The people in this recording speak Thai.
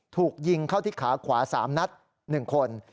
ถูกยิงเข้าที่ขาขวา๓นัด๑คน